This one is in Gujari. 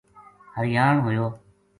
حریان ہویو